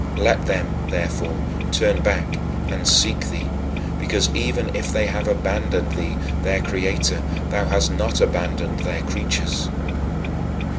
Let them, therefore, turn back and seek thee, because even if they have abandoned thee, their Creator, thou hast not abandoned thy creatures.